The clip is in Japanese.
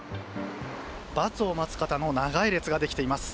バスを待つ方の長い列ができています。